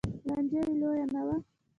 لانجه یې لویه نه وه